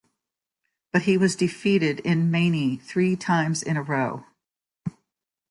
But he was defeated in Mani three times in a row.